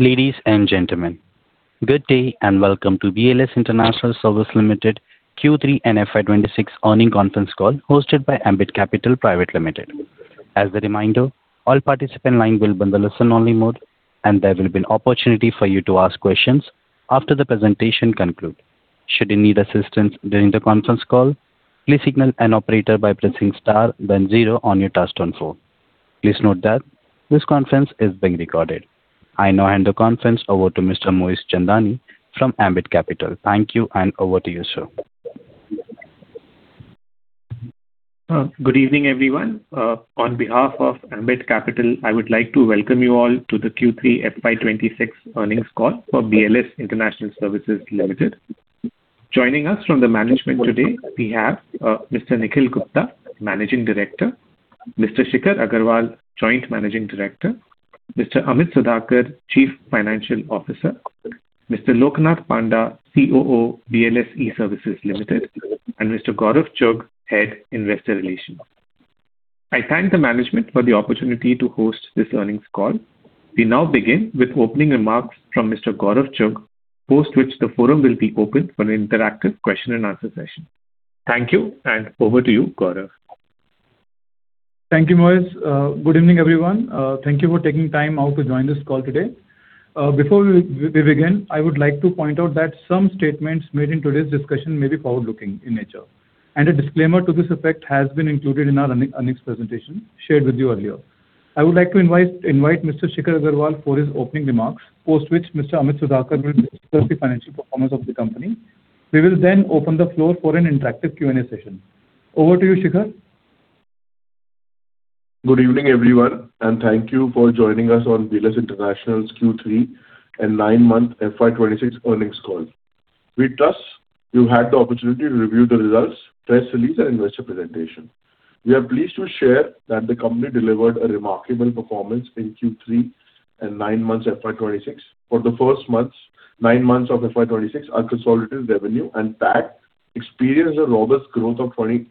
Ladies and gentlemen, good day and welcome to BLS International Services Limited Q3 FY 2026 earnings conference call hosted by Ambit Capital Pvt Ltd. As a reminder, all participants' lines will be in the listen-only mode, and there will be an opportunity for you to ask questions after the presentation concludes. Should you need assistance during the conference call, please signal an operator by pressing star then zero on your touchscreen phone. Please note that this conference is being recorded. I now hand the conference over to Mr. Moin Chandani from Ambit Capital. Thank you, and over to you, sir. Good evening, everyone. On behalf of Ambit Capital, I would like to welcome you all to the Q3 FY 2026 earnings call for BLS International Services Limited. Joining us from the management today, we have Mr. Nikhil Gupta, Managing Director, Mr. Shikhar Aggarwal, Joint Managing Director, Mr. Amit Sudhakar, Chief Financial Officer, Mr. Loknath Panda, COO BLS E-Services Limited, and Mr. Gaurav Chugh, Head Investor Relations. I thank the management for the opportunity to host this earnings call. We now begin with opening remarks from Mr. Gaurav Chugh, after which the forum will be open for an interactive question-and-answer session. Thank you, and over to you, Gaurav. Thank you, Moin. Good evening, everyone. Thank you for taking time out to join this call today. Before we begin, I would like to point out that some statements made in today's discussion may be forward-looking in nature. A disclaimer to this effect has been included in our earnings presentation shared with you earlier. I would like to invite Mr. Shikhar Aggarwal for his opening remarks, post which Mr. Amit Sudhakar will discuss the financial performance of the company. We will then open the floor for an interactive Q&A session. Over to you, Shikhar. Good evening, everyone, and thank you for joining us on BLS International's Q3 and 9-month FY 2026 earnings call. We trust you had the opportunity to review the results, press release, and investor presentation. We are pleased to share that the company delivered a remarkable performance in Q3 and 9 months FY 2026. For the first months, 9 months of FY 2026 are consolidated revenue and PAT experienced a robust growth of 46%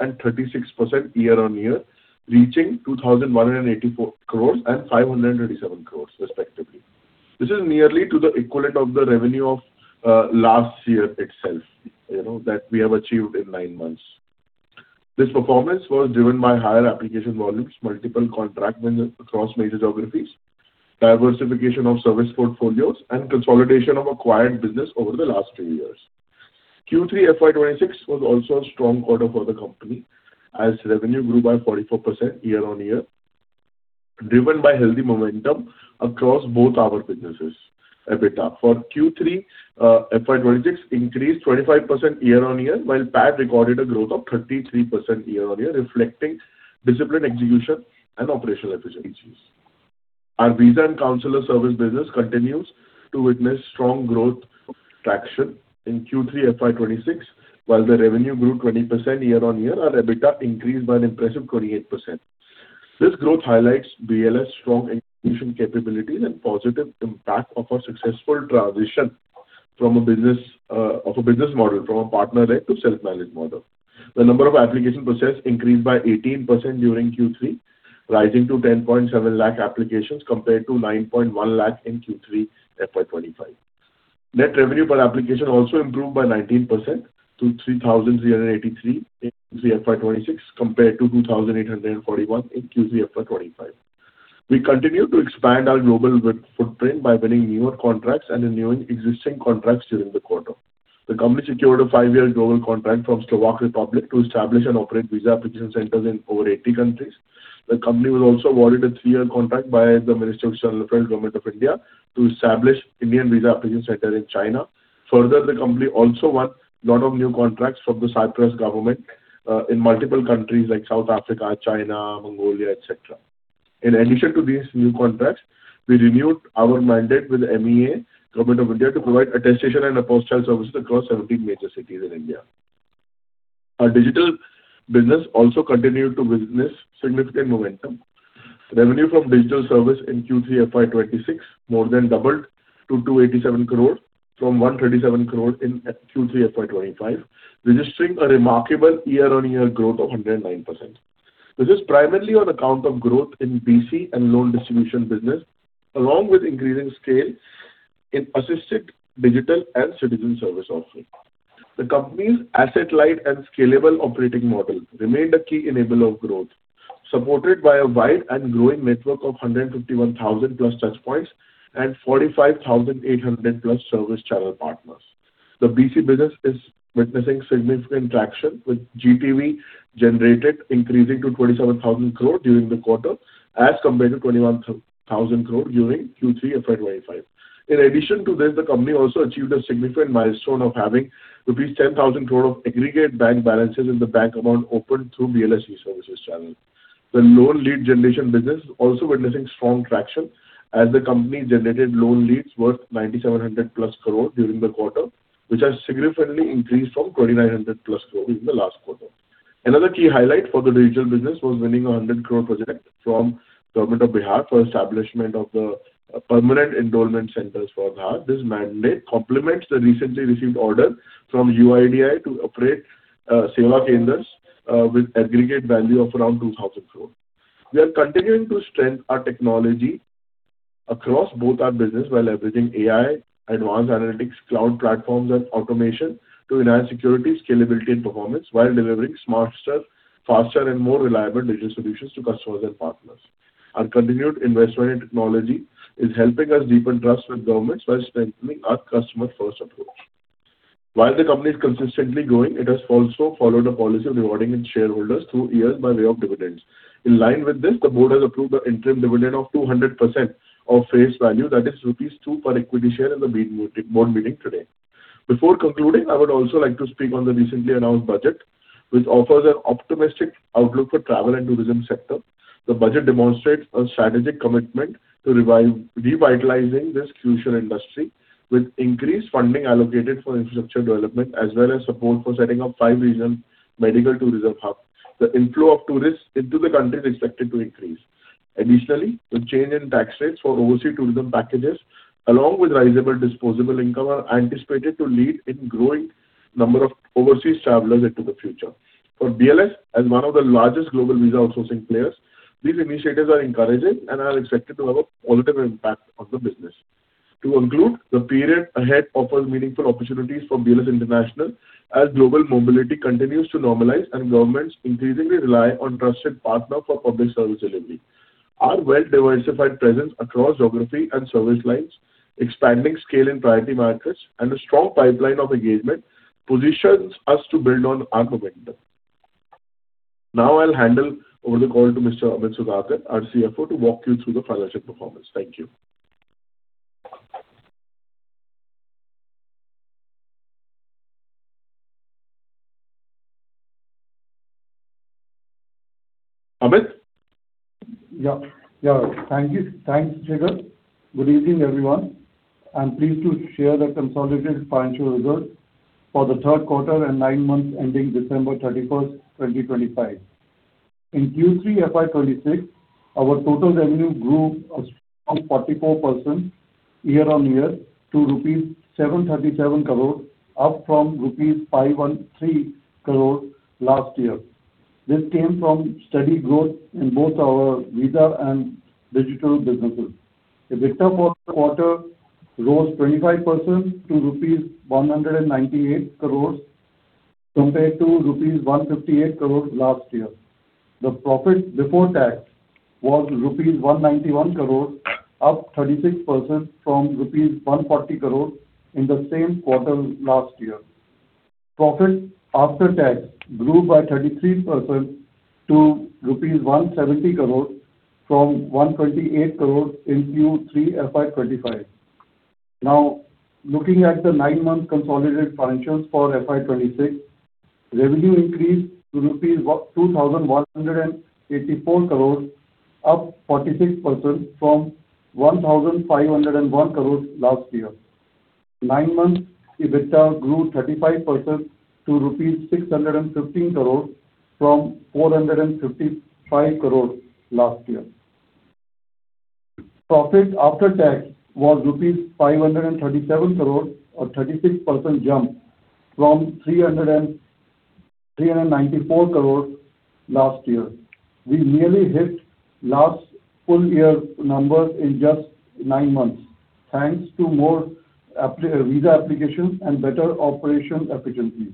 and 36% year-over-year, reaching 2,184 crores and 537 crores, respectively. This is nearly to the equivalent of the revenue of last year itself that we have achieved in 9 months. This performance was driven by higher application volumes, multiple contracts across major geographies, diversification of service portfolios, and consolidation of acquired business over the last few years. Q3 FY 2026 was also a strong quarter for the company as revenue grew by 44% year-over-year, driven by healthy momentum across both our businesses. EBITDA for Q3 FY 26 increased 25% year-over-year, while PAT recorded a growth of 33% year-over-year, reflecting disciplined execution and operational efficiencies. Our visa and consular services business continues to witness strong growth traction in Q3 FY 26, while the revenue grew 20% year-over-year, and EBITDA increased by an impressive 28%. This growth highlights BLS's strong execution capabilities and positive impact of our successful transition from a business model from a partner-led to self-managed model. The number of application processes increased by 18% during Q3, rising to 10.7 lakh applications compared to 9.1 lakh in Q3 FY 2025. Net revenue per application also improved by 19% to 3,383 in Q3 FY 2026 compared to 2,841 in Q3 FY 2025. We continue to expand our global footprint by winning newer contracts and renewing existing contracts during the quarter. The company secured a 5-year global contract from Slovak Republic to establish and operate visa application centers in over 80 countries. The company was also awarded a 3-year contract by the Ministry of External Affairs, Government of India, to establish an Indian visa application center in China. Further, the company also won a lot of new contracts from the Cyprus government in multiple countries like South Africa, China, Mongolia, etc. In addition to these new contracts, we renewed our mandate with the MEA, Government of India, to provide attestation and apostille services across 17 major cities in India. Our digital business also continued to witness significant momentum. Revenue from digital service in Q3 FY 2026 more than doubled to 287 crores from 137 crores in Q3 FY 2025, registering a remarkable year-on-year growth of 109%. This is primarily on account of growth in BC and loan distribution business, along with increasing scale in assisted digital and citizen service offering. The company's asset-light and scalable operating model remained a key enabler of growth, supported by a wide and growing network of 151,000+ touchpoints and 45,800+ service channel partners. The BC business is witnessing significant traction with GTV generated increasing to 27,000 crores during the quarter as compared to 21,000 crores during Q3 FY 2025. In addition to this, the company also achieved a significant milestone of having rupees 10,000 crore of aggregate bank balances in the bank account opened through BLS E-Services Channel. The loan lead generation business is also witnessing strong traction as the company generated loan leads worth 9,700+ crore during the quarter, which has significantly increased from 2,900+ crore in the last quarter. Another key highlight for the digital business was winning a 100 crore project from the Government of Bihar for establishment of the permanent endowment centers for Bihar. This mandate complements the recently received order from UIDAI to operate Seva centers with aggregate value of around 2,000 crore. We are continuing to strengthen our technology across both our businesses by leveraging AI, advanced analytics, cloud platforms, and automation to enhance security, scalability, and performance while delivering smarter, faster, and more reliable digital solutions to customers and partners. Our continued investment in technology is helping us deepen trust with governments while strengthening our customer-first approach. While the company is consistently growing, it has also followed a policy of rewarding its shareholders through the years by way of dividends. In line with this, the board has approved an interim dividend of 200% of face value, that is, rupees 2 per equity share in the board meeting today. Before concluding, I would also like to speak on the recently announced budget, which offers an optimistic outlook for the travel and tourism sector. The budget demonstrates a strategic commitment to revitalizing this crucial industry with increased funding allocated for infrastructure development as well as support for setting up five regional medical tourism hubs. The inflow of tourists into the country is expected to increase. Additionally, the change in tax rates for overseas tourism packages, along with rising disposable income, are anticipated to lead to a growing number of overseas travelers into the future. For BLS, as one of the largest global visa outsourcing players, these initiatives are encouraging and are expected to have a positive impact on the business. To conclude, the period ahead offers meaningful opportunities for BLS International as global mobility continues to normalize and governments increasingly rely on trusted partners for public service delivery. Our well-diversified presence across geography and service lines, expanding scale and priority markets, and a strong pipeline of engagement positions us to build on our momentum. Now, I'll hand over the call to Mr. Amit Sudhakar, our CFO, to walk you through the financial performance. Thank you. Amit? Yeah. Yeah. Thank you. Thanks, Shikar. Good evening, everyone. I'm pleased to share the consolidated financial results for the third quarter and nine months ending December 31st, 2025. In Q3 FY 2026, our total revenue grew a strong 44% year on year to rupees 737 crores, up from rupees 513 crores last year. This came from steady growth in both our visa and digital businesses. EBITDA for the quarter rose 25% to rupees 198 crores compared to rupees 158 crores last year. The profit before tax was rupees 191 crores, up 36% from rupees 140 crores in the same quarter last year. Profit after tax grew by 33% to rupees 170 crores from 128 crores in Q3 FY 2025. Now, looking at the nine-month consolidated financials for FY 2026, revenue increased to rupees 2,184 crores, up 46% from 1,501 crores last year. Nine months EBITDA grew 35% to rupees 615 crores from 455 crores last year. Profit after tax was rupees 537 crores, a 36% jump from 394 crores last year. We nearly hit last full-year numbers in just nine months, thanks to more visa applications and better operational efficiency.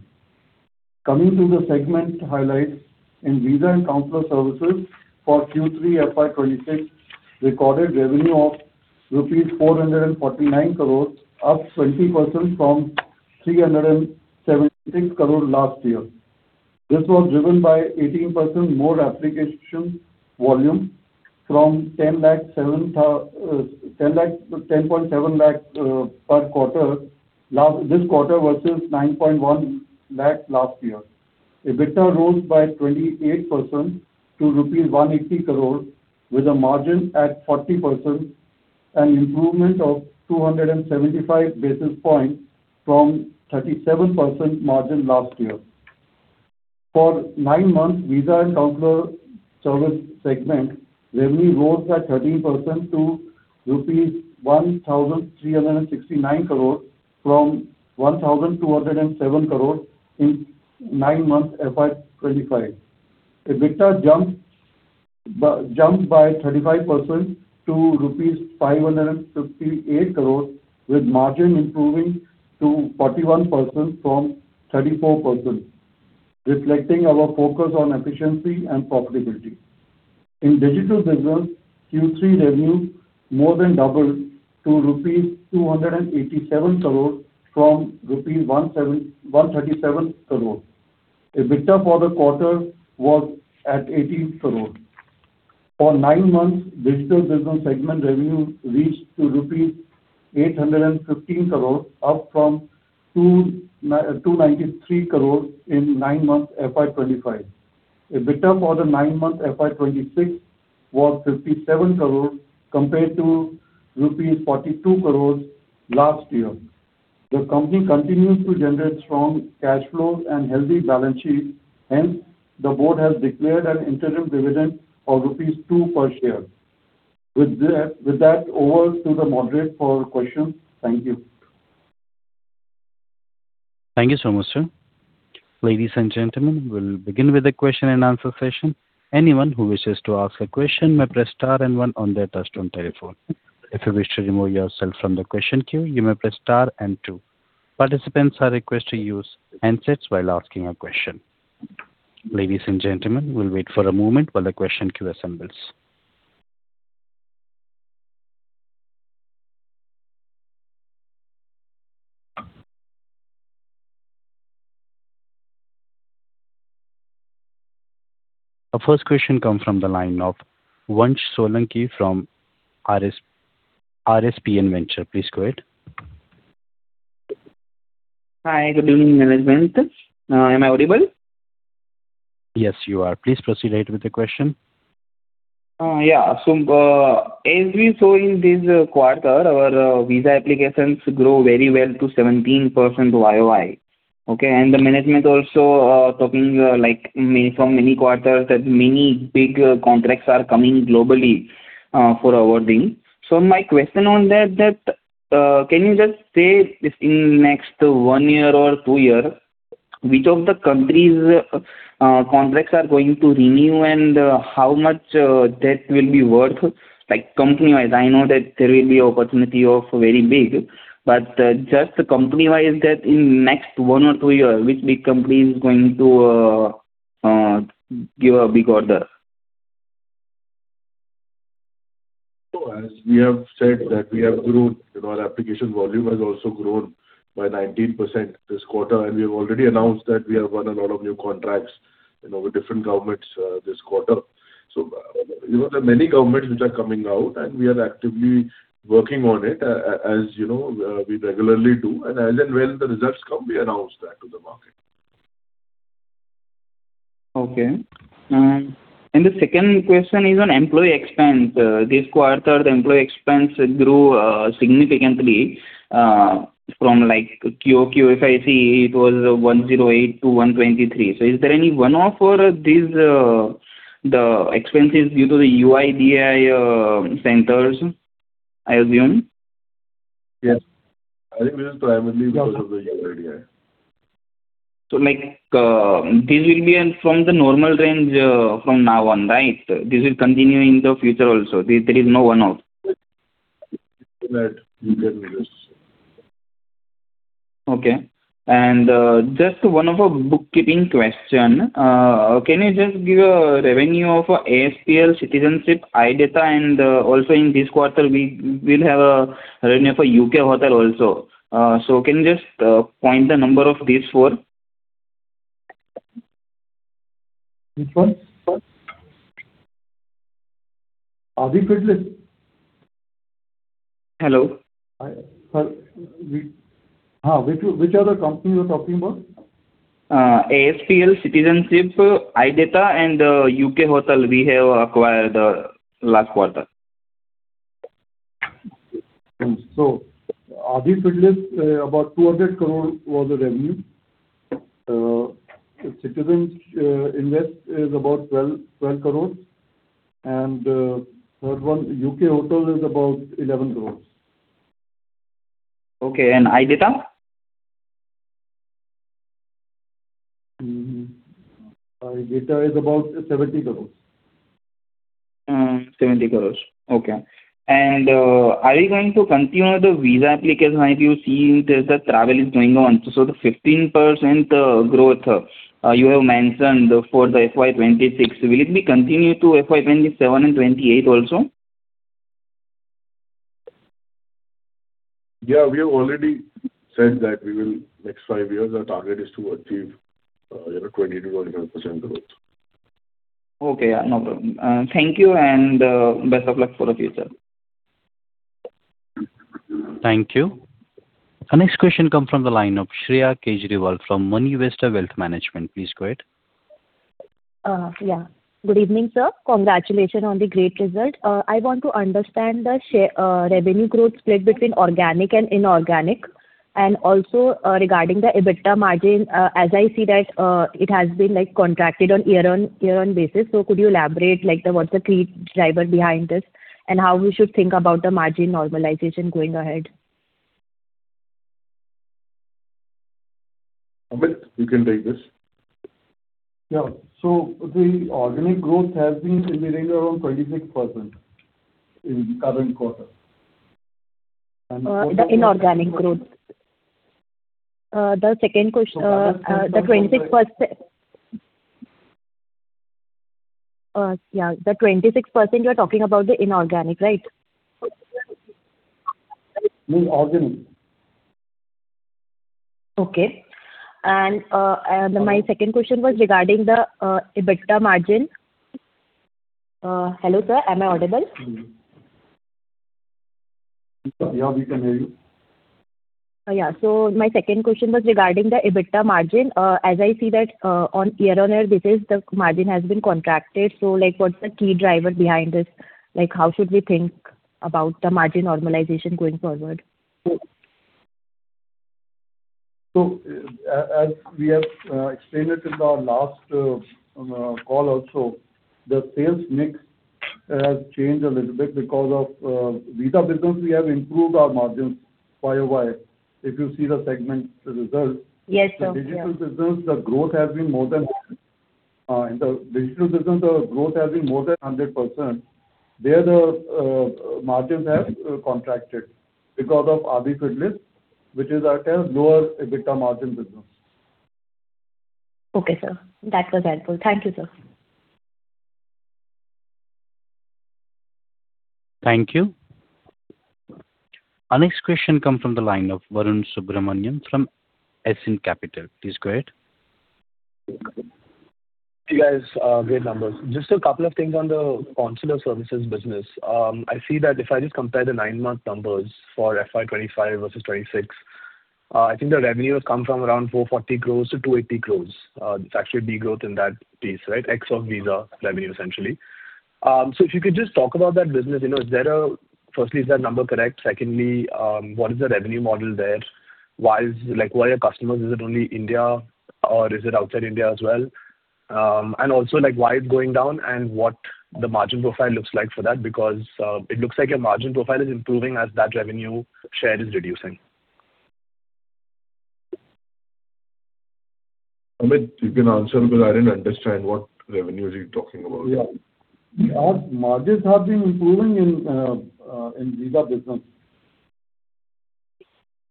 Coming to the segment highlights in visa and consular services for Q3 FY 2026, recorded revenue of rupees 449 crores, up 20% from 376 crores last year. This was driven by 18% more application volume from 10.7 lakh per quarter this quarter versus 9.1 lakh last year. EBITDA rose by 28% to rupees 180 crores, with a margin at 40% and an improvement of 275 basis points from a 37% margin last year. For nine months visa and consular service segment, revenue rose by 13% to rupees 1,369 crores from 1,207 crores in nine months FY 25. EBITDA jumped by 35% to rupees 558 crores, with margin improving to 41% from 34%, reflecting our focus on efficiency and profitability. In digital business, Q3 revenue more than doubled to rupees 287 crores from rupees 137 crores. EBITDA for the quarter was at 18 crores. For nine months digital business segment revenue reached rupees 815 crores, up from 293 crores in nine months FY 2025. EBITDA for the nine months FY 2026 was 57 crores compared to rupees 42 crores last year. The company continues to generate strong cash flows and healthy balance sheets. Hence, the board has declared an interim dividend of rupees 2 per share. With that, over to the moderator for questions. Thank you. Thank you so much, sir. Ladies and gentlemen, we'll begin with a question and answer session. Anyone who wishes to ask a question may press star and one on their touchscreen telephone. If you wish to remove yourself from the question queue, you may press star and two. Participants are requested to use handsets while asking a question. Ladies and gentlemen, we'll wait for a moment while the question queue assembles. Our first question comes from the line of Vansh Solanki from RSP Inventure. Please go ahead. Hi. Good evening, management. Am I audible? Yes, you are. Please proceed ahead with the question. Yeah. As we saw in this quarter, our visa applications grew very well to 17% YoY. Okay? And the management also talking from many quarters that many big contracts are coming globally for awarding. So my question on that, can you just say in the next one year or two year, which of the countries' contracts are going to renew and how much that will be worth company-wise? I know that there will be an opportunity of very big, but just company-wise, that in the next one or two year, which big company is going to give a big order? Sure. As we have said that we have grown, our application volume has also grown by 19% this quarter, and we have already announced that we have won a lot of new contracts with different governments this quarter. So there are many governments which are coming out, and we are actively working on it as we regularly do. And as and when the results come, we announce that to the market. Okay. The second question is on employee expense. This quarter, the employee expense grew significantly from QoQ FY 2024, it was 108-123. So is there any one-off for the expenses due to the UIDAI centers, I assume? Yes. I think this is primarily because of the UIDAI. So this will be from the normal range from now on, right? This will continue in the future also? There is no one-off? You can just. Okay. And just one, a bookkeeping question. Can you just give a revenue of ASPL, Citizenship Invest, iDATA? And also in this quarter, we will have a revenue for UK hotel also. So can you just point the number of these four? Which one?. Hello? Hi. Hi. Which are the companies you're talking about? ASPL, Citizenship, iDATA, and U.K. hotel we have acquired last quarter. Adi Fitness, about 200 crore was the revenue. Citizenship Invest is about 12 crore. And third one, U.K. Hotel is about 11 crore. Okay. And iDATA? iDATA is about 70 crore. 70 crore. Okay. And are you going to continue the visa application? I do see that travel is going on. So the 15% growth you have mentioned for the FY 2026, will it be continued to FY 2027 and 2028 also? Yeah. We have already said that we will next five years, our target is to achieve 22%-25% growth. Okay. No problem. Thank you, and best of luck for the future. Thank you. Our next question comes from the line of Shreya Kejriwal from Money Investor Wealth Management. Please go ahead. Yeah. Good evening, sir. Congratulations on the great result. I want to understand the revenue growth split between organic and inorganic, and also regarding the EBITDA margin. As I see that it has been contracted on year-over-year basis. So could you elaborate what's the key driver behind this and how we should think about the margin normalization going ahead? Amit, you can take this. Yeah. The organic growth has been in the range around 26% in the current quarter. The inorganic growth? The second question, the 26%. Yeah. The 26% you're talking about the inorganic, right? Mean organic. Okay. And my second question was regarding the EBITDA margin. Hello, sir. Am I audible? Yeah. We can hear you. Yeah. So my second question was regarding the EBITDA margin. As I see that on year-over-year, this is the margin has been contracted. So what's the key driver behind this? How should we think about the margin normalization going forward? As we have explained it in our last call also, the sales mix has changed a little bit because of visa business. We have improved our margins YoY. If you see the segment results. Yes, sir. The digital business, the growth has been more than in the digital business, the growth has been more than 100%. There, the margins have contracted because of Adi Fitness, which is our lower EBITDA margin business. Okay, sir. That was helpful. Thank you, sir. Thank you. Our next question comes from the line of Varun Subramanian from Ascent Capital. Please go ahead. Hey, guys. Great numbers. Just a couple of things on the consular services business. I see that if I just compare the nine-month numbers for FY 2025 versus 2026, I think the revenue has come from around 440 crores to 280 crores. It's actually low growth in that piece, right? 10% of visa revenue, essentially. So if you could just talk about that business, firstly, is that number correct? Secondly, what is the revenue model there? Who are your customers? Is it only India or is it outside India as well? And also, why it's going down and what the margin profile looks like for that because it looks like your margin profile is improving as that revenue share is reducing. Amit, you can answer because I didn't understand what revenue you're talking about. Yeah. Our margins have been improving in visa business.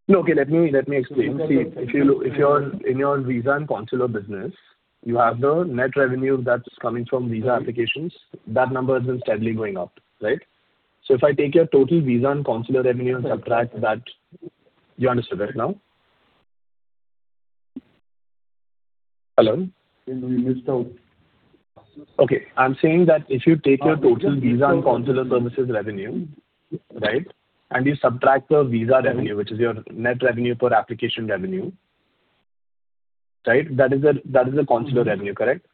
No. Okay. Let me explain. See, if you're in your visa and consular business, you have the net revenue that's coming from visa applications. That number has been steadily going up, right? So if I take your total visa and consular revenue and subtract that, you understood it now? Hello? We missed out. Okay. I'm saying that if you take your total visa and consular services revenue, right, and you subtract the visa revenue, which is your net revenue per application revenue, right, that is the consular revenue, correct?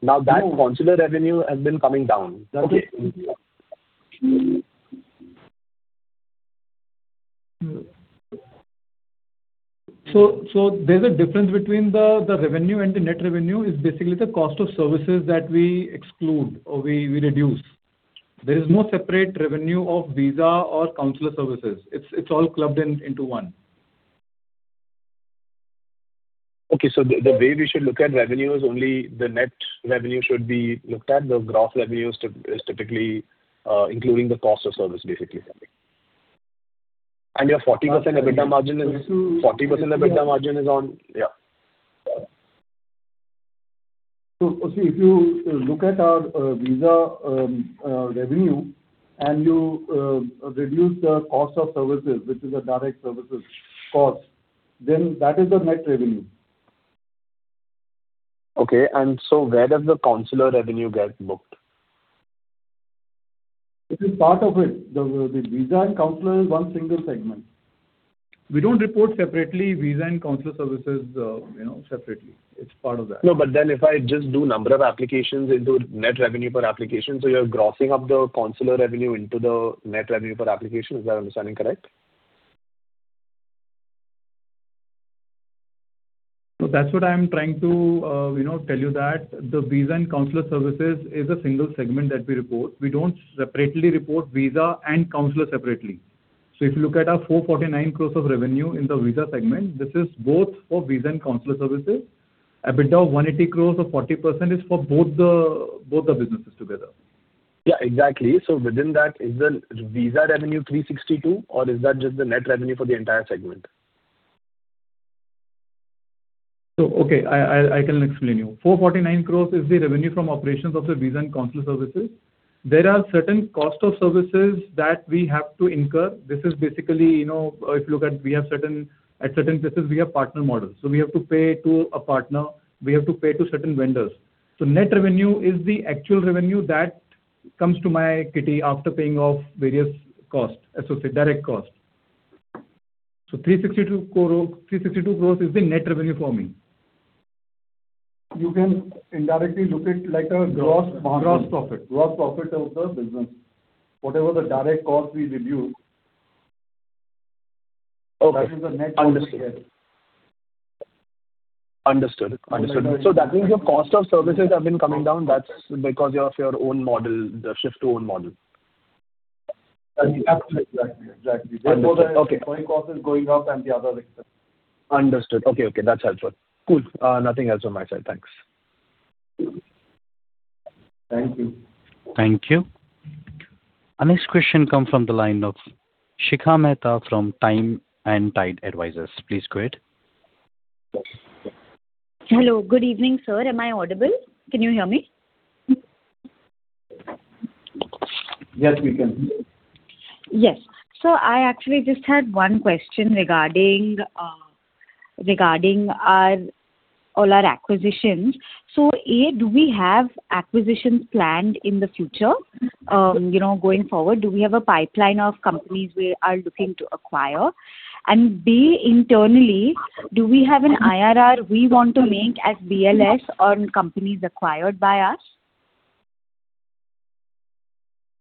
Now, that consular revenue has been coming down. Okay. So there's a difference between the revenue and the net revenue is basically the cost of services that we exclude or we reduce. There is no separate revenue of visa or consular services. It's all clubbed into one. Okay. So the way we should look at revenue is only the net revenue should be looked at. The gross revenue is typically including the cost of service, basically. And your 40% EBITDA margin is 40% EBITDA margin is on yeah. So see, if you look at our Visa revenue and you reduce the cost of services, which is a direct services cost, then that is the net revenue. Okay. And so where does the consular revenue get booked? This is part of it. The visa and consular is one single segment. We don't report separately visa and consular services separately. It's part of that. No, but then if I just do number of applications into net revenue per application, so you're grossing up the consular revenue into the net revenue per application. Is that understanding correct? So that's what I'm trying to tell you, that the visa and consular services is a single segment that we report. We don't separately report visa and consular separately. So if you look at our 449 crore of revenue in the visa segment, this is both for visa and consular services. EBITDA of 180 crore of 40% is for both the businesses together. Yeah, exactly. So within that, is the visa revenue 362 crore or is that just the net revenue for the entire segment? Okay. I can explain to you. 449 crore is the revenue from operations of the visa and consular services. There are certain costs of services that we have to incur. This is basically if you look at we have certain at certain places, we have partner models. We have to pay to a partner. We have to pay to certain vendors. Net revenue is the actual revenue that comes to my kitty after paying off various costs, direct costs. 362 crore is the net revenue for me. You can indirectly look at a gross profit. Gross profit. Gross profit of the business. Whatever the direct cost we reduce, that is the net profit we get. Okay. Understood. Understood. That means your cost of services have been coming down. That's because of your own model, the shift to own model. Absolutely. Exactly. Exactly. Therefore, the employee cost is going up and the others. Understood. Okay. Okay. That's helpful. Cool. Nothing else on my side. Thanks. Thank you. Thank you. Our next question comes from the line of Shikha Mehta from Time and Tide Advisors. Please go ahead. Hello. Good evening, sir. Am I audible? Can you hear me? Yes, we can. Yes. I actually just had one question regarding all our acquisitions. A, do we have acquisitions planned in the future, going forward? Do we have a pipeline of companies we are looking to acquire? And B, internally, do we have an IRR we want to make as BLS on companies acquired by us?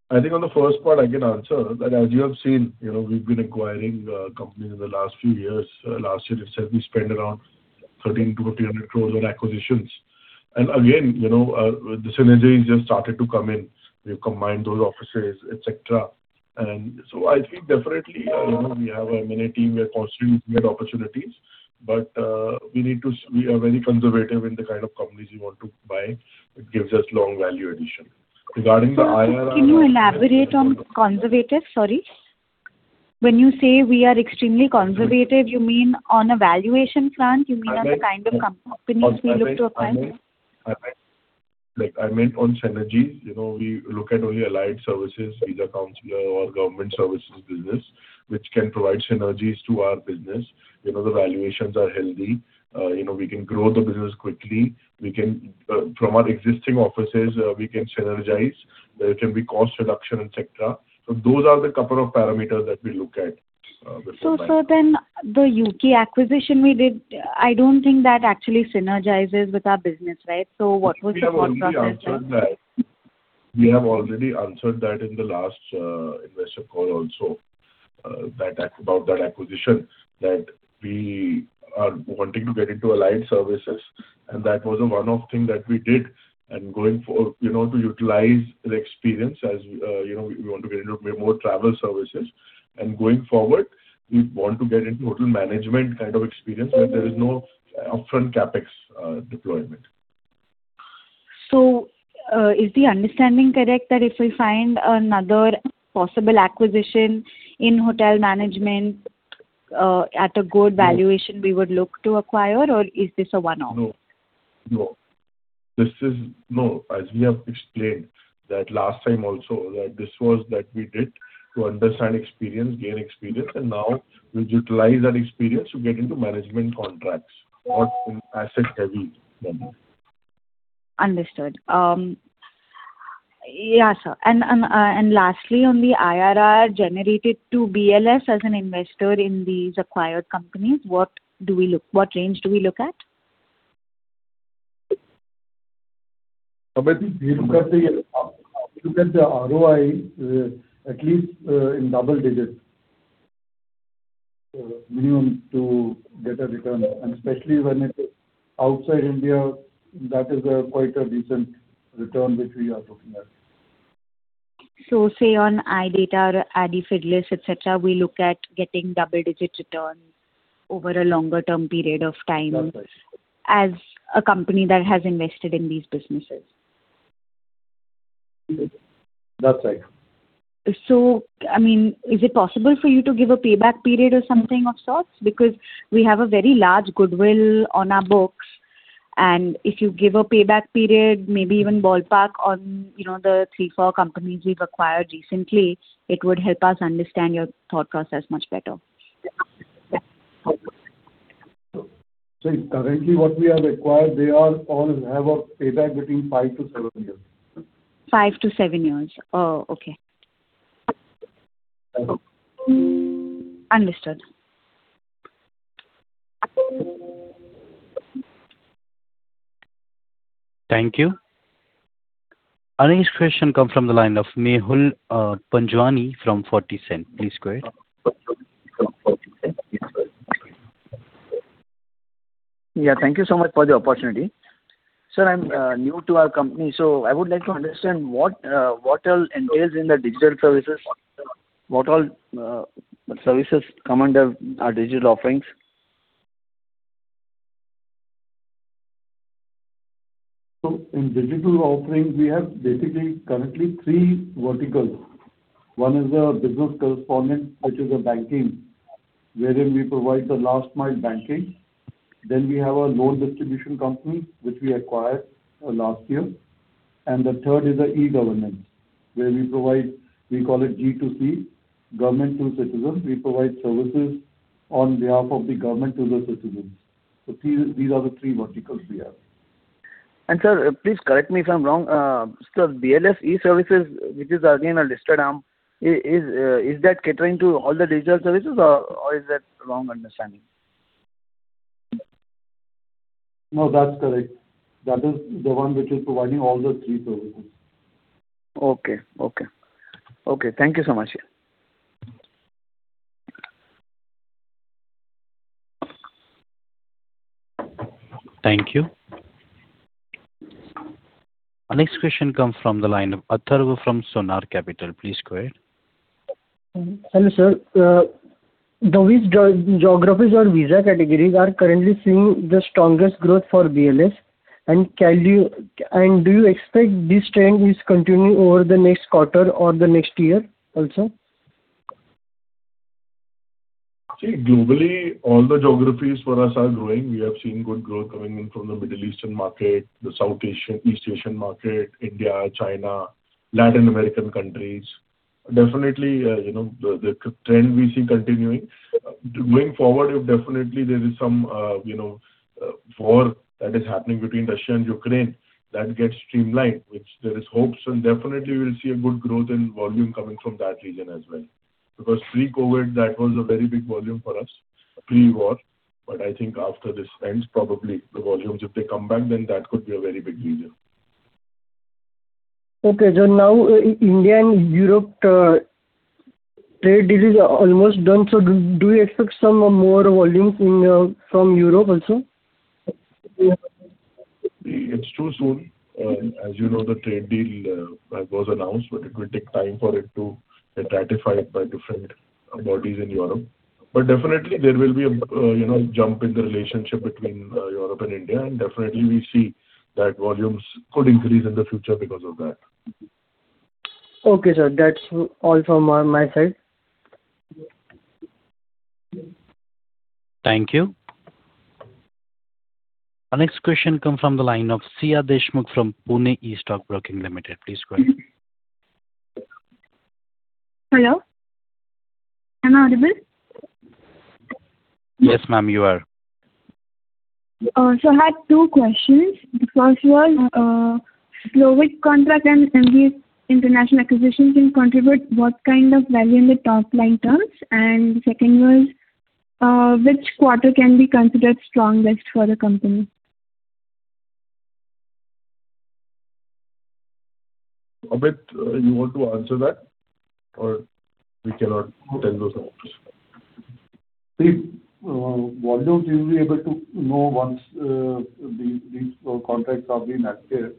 I think on the first part, I can answer that as you have seen, we've been acquiring companies in the last few years. Last year, it said we spent around 1,300 crore-1,400 crore on acquisitions. And again, the synergy has just started to come in. We've combined those offices, etc. And so I think definitely we have a M&A team. We are constantly looking at opportunities, but we need to we are very conservative in the kind of companies we want to buy. It gives us long value addition. Regarding the IRR. Can you elaborate on conservative? Sorry. When you say we are extremely conservative, you mean on a valuation front? You mean on the kind of companies we look to acquire? I meant on synergies. We look at only allied services, visa counselor, or government services business, which can provide synergies to our business. The valuations are healthy. We can grow the business quickly. From our existing offices, we can synergize. There can be cost reduction, etc. So those are the couple of parameters that we look at before buying. So then the U.K. acquisition we did, I don't think that actually synergizes with our business, right? So what was the thought process there? We have already answered that in the last investor call also, about that acquisition, that we are wanting to get into allied services. That was one of the things that we did. Going forward, to utilize the experience as we want to get into more travel services. Going forward, we want to get into hotel management kind of experience where there is no upfront CapEx deployment. Is the understanding correct that if we find another possible acquisition in hotel management at a good valuation, we would look to acquire, or is this a one-off? No. No. No. As we have explained that last time also, that this was that we did to understand experience, gain experience, and now we utilize that experience to get into management contracts or asset-heavy models. Understood. Yeah, sir. Lastly, on the IRR generated to BLS as an investor in these acquired companies, what range do we look at? Amit, we look at the ROI, at least in double digits, minimum to get a return. Especially when it's outside India, that is quite a decent return which we are looking at. So, say, on iDATA or Aadifidelis, etc., we look at getting double-digit returns over a longer-term period of time as a company that has invested in these businesses. That's right. So, I mean, is it possible for you to give a payback period or something of sorts? Because we have a very large goodwill on our books. And if you give a payback period, maybe even ballpark on the three, four companies we've acquired recently, it would help us understand your thought process much better. Currently, what we have acquired, they all have a payback between five-seven years. five-seven years. Oh, okay. Understood. Thank you. Our next question comes from the line of [Mehul Panjwani] from [40 Cents]. Please go ahead. Yeah. Thank you so much for the opportunity. Sir, I'm new to our company. So I would like to understand what all entails in the digital services, what all services come under our digital offerings? So in digital offerings, we have basically currently three verticals. One is the business correspondent, which is the banking, wherein we provide the last-mile banking. Then we have a loan distribution company which we acquired last year. And the third is the e-governance where we provide we call it G2C, government to citizen. We provide services on behalf of the government to the citizens. So these are the three verticals we have. Sir, please correct me if I'm wrong. Sir, BLS E-Services, which is again a listed arm, is that catering to all the digital services, or is that wrong understanding? No, that's correct. That is the one which is providing all the three services. Okay. Okay. Okay. Thank you so much, sir. Thank you. Our next question comes from the line of Atharv from Sonar Capital. Please go ahead. Hello, sir. The geographies or visa categories are currently seeing the strongest growth for BLS. Do you expect this trend is continuing over the next quarter or the next year also? See, globally, all the geographies for us are growing. We have seen good growth coming in from the Middle Eastern market, the South Asian, East Asian market, India, China, Latin American countries. Definitely, the trend we see continuing. Going forward, definitely, there is some war that is happening between Russia and Ukraine that gets streamlined, which there is hopes and definitely we'll see a good growth in volume coming from that region as well. Because pre-COVID, that was a very big volume for us, pre-war. But I think after this ends, probably the volumes if they come back, then that could be a very big reason. Okay. So now India and Europe trade deal is almost done. So do you expect some more volumes from Europe also? It's too soon. As you know, the trade deal was announced, but it will take time for it to get ratified by different bodies in Europe. But definitely, there will be a jump in the relationship between Europe and India. And definitely, we see that volumes could increase in the future because of that. Okay, sir. That's all from my side. Thank you. Our next question comes from the line of Siyaa Deshmukh from Pune E-Stock Broking Limited. Please go ahead. Hello? Am I audible? Yes, ma'am, you are. So I had two questions. The first was, Slovak Republic contract and iDATA acquisitions can contribute what kind of value in the top-line terms? And the second was, which quarter can be considered strongest for the company? Amit, you want to answer that, or we cannot tell those numbers? See, volumes, you'll be able to know once these contracts have been acquired.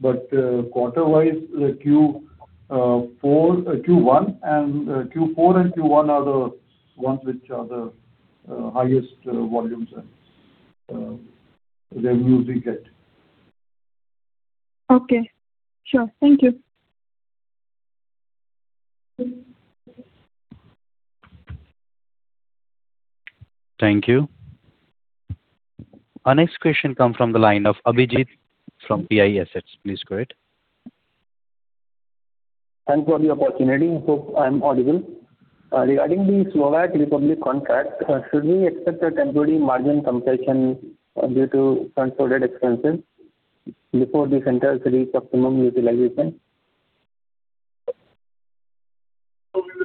But quarter-wise, Q1 and Q4 and Q1 are the ones which are the highest volumes and revenues we get. Okay. Sure. Thank you. Thank you. Our next question comes from the line of Abhijeet from PI Assets. Please go ahead. Thanks for the opportunity. I hope I'm audible. Regarding the Slovak Republic contract, should we expect a temporary margin compensation due to consolidated expenses before the centers reach optimum utilization?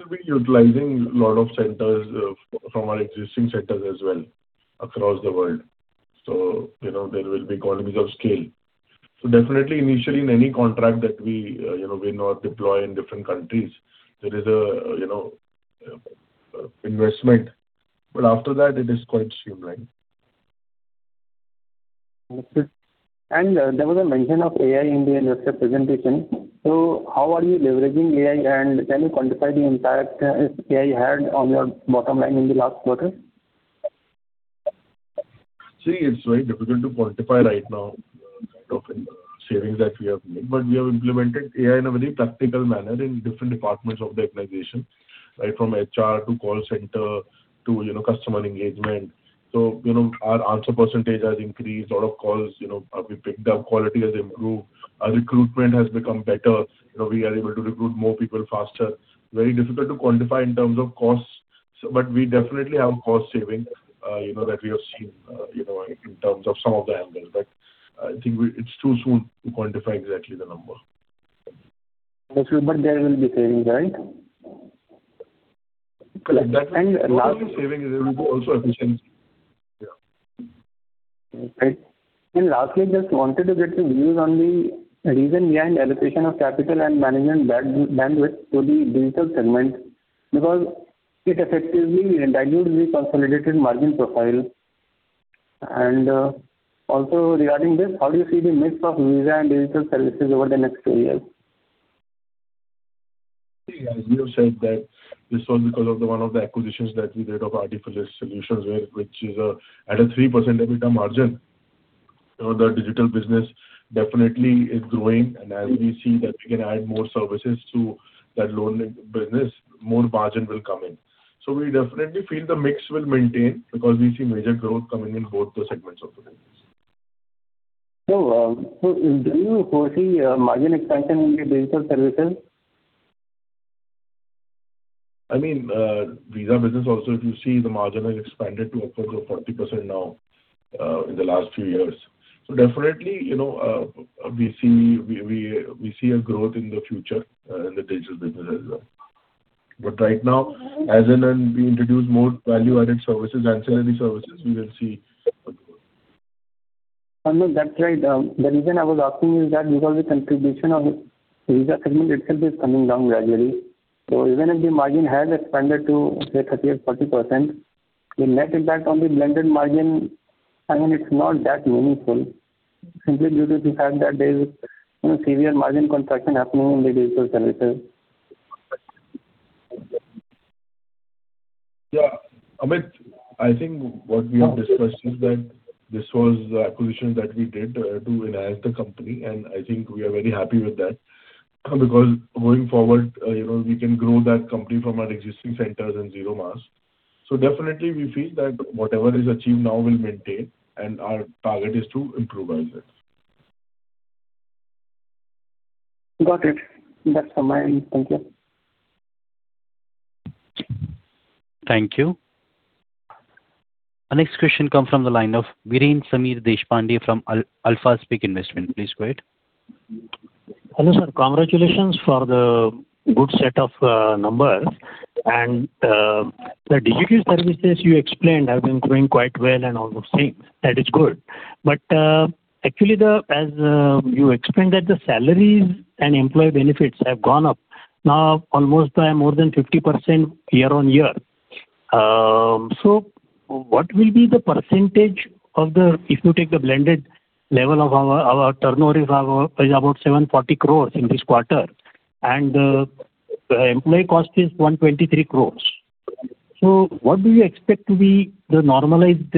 We will be utilizing a lot of centers from our existing centers as well across the world. So there will be economies of scale. So definitely, initially, in any contract that we win or deploy in different countries, there is an investment. But after that, it is quite streamlined. There was a mention of AI in the industry presentation. How are you leveraging AI, and can you quantify the impact AI had on your bottom line in the last quarter? See, it's very difficult to quantify right now kind of savings that we have made. But we have implemented AI in a very practical manner in different departments of the organization, right, from HR to call center to customer engagement. So our answer percentage has increased. A lot of calls have been picked up. Quality has improved. Our recruitment has become better. We are able to recruit more people faster. Very difficult to quantify in terms of costs, but we definitely have cost savings that we have seen in terms of some of the angles. But I think it's too soon to quantify exactly the number. But there will be savings, right? Correct. Not only savings, there will be also efficiency. Yeah. Okay. And lastly, I just wanted to get your views on the reason behind allocation of capital and management bandwidth to the digital segment because it effectively dilutes the consolidated margin profile. Also, regarding this, how do you see the mix of visa and digital services over the next two years? See, as you have said, that this was because of one of the acquisitions that we did of Aadifidelis Solutions, which is at a 3% EBITDA margin. The digital business definitely is growing. And as we see that we can add more services to that loan business, more margin will come in. So we definitely feel the mix will maintain because we see major growth coming in both the segments of the business. Do you foresee margin expansion in the digital services? I mean, visa business also, if you see the margin has expanded to upwards of 40% now in the last few years. So definitely, we see a growth in the future in the digital business as well. But right now, as and when we introduce more value-added services and salary services, we will see a growth. That's right. The reason I was asking is that because the contribution of visa segment itself is coming down gradually. So even if the margin has expanded to, say, 30% or 40%, the net impact on the blended margin, I mean, it's not that meaningful simply due to the fact that there is severe margin contraction happening in the digital services. Yeah. Amit, I think what we have discussed is that this was the acquisition that we did to enhance the company. And I think we are very happy with that because going forward, we can grow that company from our existing centers and Zero Mass. So definitely, we feel that whatever is achieved now will maintain, and our target is to improve as well. Got it. That's from my end. Thank you. Thank you. Our next question comes from the line of Viren Deshpande from Alphapeak Investment. Please go ahead. Hello, sir. Congratulations for the good set of numbers. The digital services you explained have been doing quite well and all those things. That is good. Actually, as you explained that, the salaries and employee benefits have gone up now almost by more than 50% year-over-year. So what will be the percentage of the if you take the blended level of our turnover is about 740 crores in this quarter, and the employee cost is 123 crores? So what do you expect to be the normalized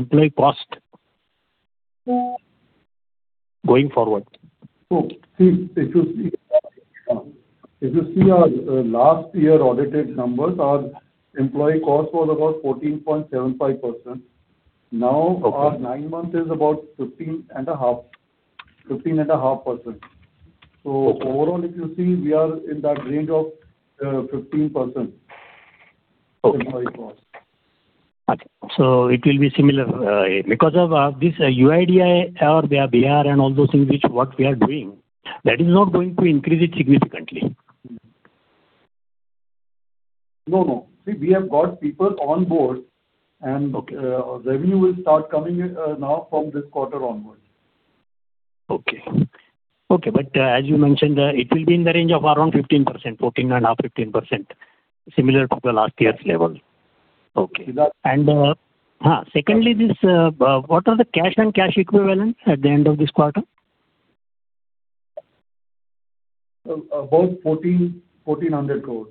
employee cost going forward? So, see, if you see our last year audited numbers, our employee cost was about 14.75%. Now our nine-month is about 15.5%. So overall, if you see, we are in that range of 15% employee cost. Okay. It will be similar. Because of this UIDAI or BR and all those things which what we are doing, that is not going to increase it significantly. No, no. See, we have got people on board, and revenue will start coming now from this quarter onwards. Okay. Okay. But as you mentioned, it will be in the range of around 15%, 14.5%-15%, similar to the last year's level. Okay. And secondly, what are the cash and cash equivalent at the end of this quarter? About 1,400 crore.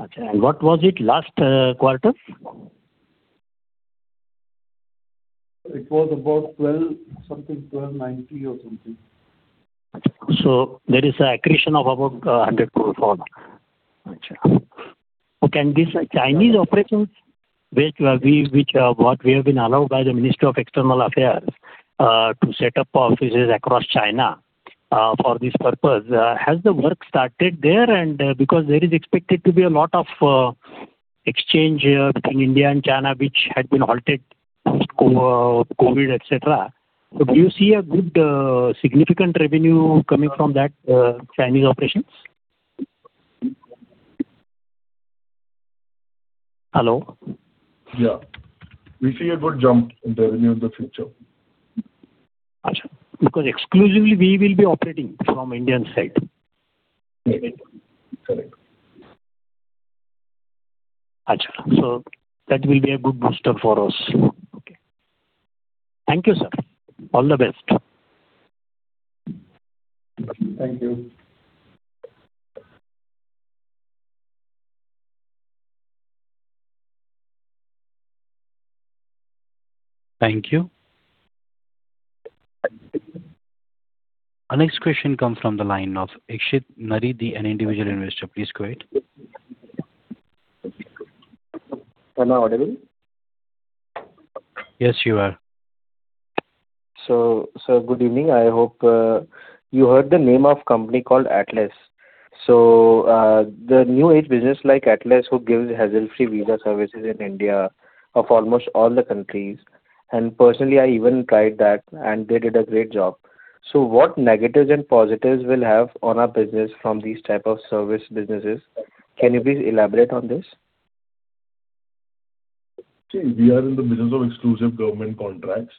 Okay. What was it last quarter? It was about 12 something, 1,290 or something. Okay. So there is an accretion of about 100 crore for now. Okay. And these Chinese operations, which are what we have been allowed by the Ministry of External Affairs to set up offices across China for this purpose, has the work started there? And because there is expected to be a lot of exchange between India and China, which had been halted post-COVID, etc., so do you see a good significant revenue coming from that Chinese operations? Hello? Yeah. We see a good jump in revenue in the future. Okay. Because exclusively, we will be operating from Indian side. Correct. Correct. Okay. So that will be a good booster for us. Okay. Thank you, sir. All the best. Thank you. Thank you. Our next question comes from the line of Ikshit Naredi, an individual investor. Please go ahead. Am I audible? Yes, you are. So, sir, good evening. I hope you heard the name of a company called Atlys. So the new-age business like Atlys, who gives hassle-free visa services in India of almost all the countries. And personally, I even tried that, and they did a great job. So what negatives and positives will have on our business from these types of service businesses? Can you please elaborate on this? See, we are in the business of exclusive government contracts,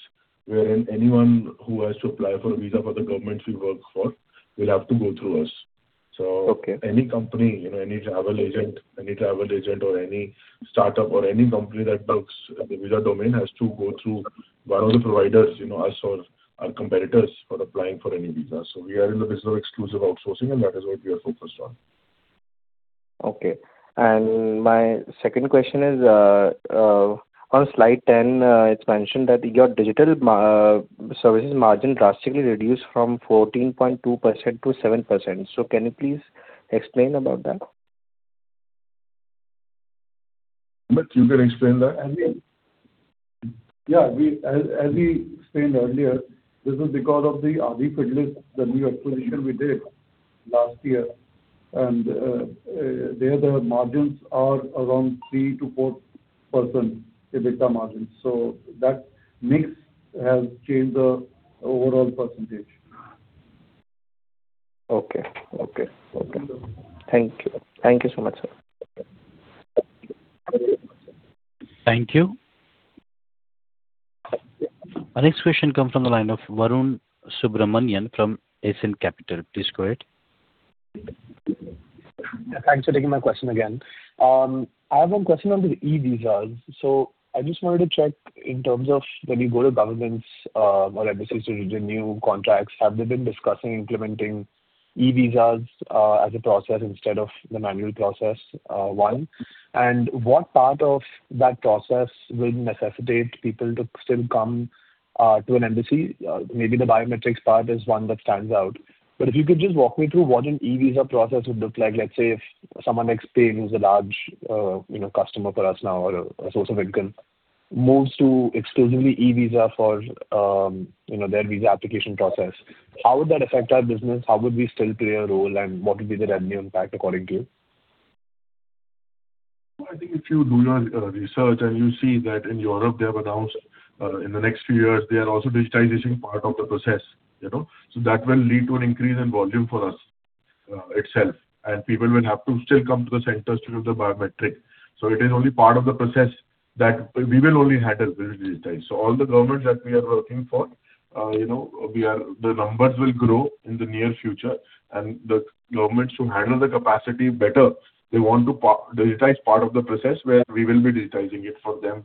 wherein anyone who has to apply for a visa for the governments we work for will have to go through us. So any company, any travel agent, any travel agent or any startup or any company that works in the visa domain has to go through one of the providers, us or our competitors, for applying for any visa. So we are in the business of exclusive outsourcing, and that is what we are focused on. Okay. My second question is, on slide 10, it's mentioned that your digital services margin drastically reduced from 14.2%-7%. Can you please explain about that? Amit, you can explain that. Yeah. As we explained earlier, this is because of the Aadifidelis, the new acquisition we did last year. And there, the margins are around 3%-4% EBITDA margins. So that mix has changed the overall percentage. Okay. Okay. Okay. Thank you. Thank you so much, sir. Thank you. Our next question comes from the line of Varun Subramanian from Ascent Capital. Please go ahead. Thanks for taking my question again. I have one question on the e-visas. So I just wanted to check in terms of when you go to governments or embassies to renew contracts, have they been discussing implementing e-visas as a process instead of the manual process, one? And what part of that process will necessitate people to still come to an embassy? Maybe the biometrics part is one that stands out. But if you could just walk me through what an e-visa process would look like, let's say, if someone Nepal who's a large customer for us now or a source of income moves to exclusively e-visa for their visa application process, how would that affect our business? How would we still play a role, and what would be the revenue impact according to you? I think if you do your research and you see that in Europe, they have announced in the next few years, they are also digitizing part of the process. So that will lead to an increase in volume for us itself. And people will have to still come to the centers to give the biometrics. So it is only part of the process that we will only handle will be digitized. So all the governments that we are working for, the numbers will grow in the near future. And the governments who handle the capacity better, they want to digitize part of the process where we will be digitizing it for them.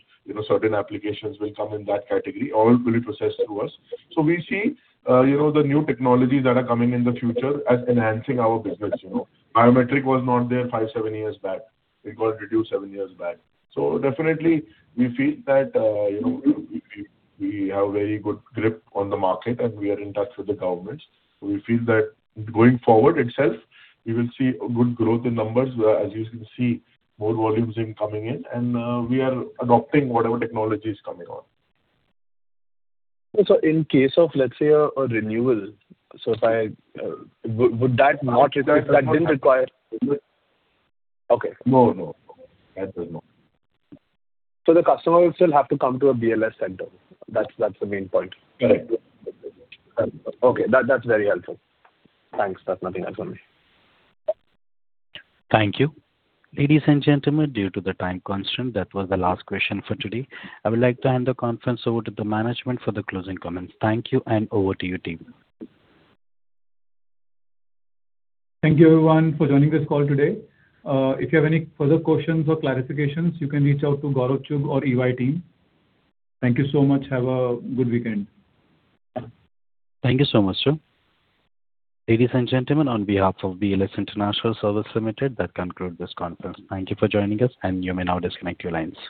Certain applications will come in that category. All will be processed through us. So we see the new technologies that are coming in the future as enhancing our business. Biometrics was not there five, seven years back. It got reduced 7 years back. So definitely, we feel that we have a very good grip on the market, and we are in touch with the governments. We feel that going forward itself, we will see good growth in numbers, as you can see, more volumes coming in. And we are adopting whatever technology is coming on. In case of, let's say, a renewal, so would that not require that didn't require? No, no. That does not. The customer will still have to come to a BLS center. That's the main point. Correct. Okay. That's very helpful. Thanks. That's nothing else for me. Thank you. Ladies and gentlemen, due to the time constraint, that was the last question for today. I would like to hand the conference over to the management for the closing comments. Thank you, and over to you, team. Thank you, everyone, for joining this call today. If you have any further questions or clarifications, you can reach out to Gaurav Chugh or EY team. Thank you so much. Have a good weekend. Thank you so much, sir. Ladies and gentlemen, on behalf of BLS International Services Limited, that concludes this conference. Thank you for joining us, and you may now disconnect your lines.